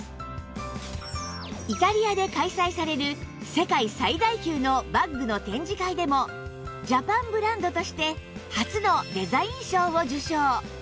イタリアで開催される世界最大級のバッグの展示会でもジャパンブランドとして初のデザイン賞を受賞